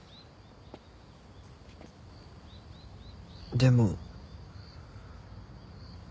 でも。